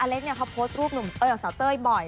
อเล็กเขาโพสต์รูปหนุ่มเต้ยสาวเต้ยบ่อย